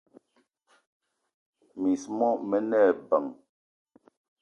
Miss mo mene ebeng.